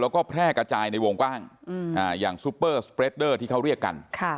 แล้วก็แพร่กระจายในวงกว้างอย่างซุปเปอร์สเปรดเดอร์ที่เขาเรียกกัน